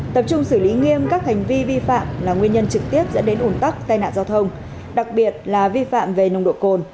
tập trung xử lý nghiêm các hành vi vi phạm là nguyên nhân trực tiếp dẫn đến ủn tắc tai nạn giao thông đặc biệt là vi phạm về nồng độ cồn